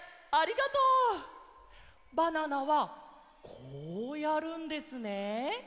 「バナナ」はこうやるんですね。